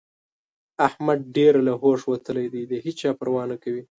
احمد ډېر له هوښه وتلی دی؛ د هيچا پروا نه کوي.